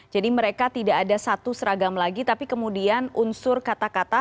jadi mereka tidak ada satu seragam lagi tapi kemudian unsur kata kata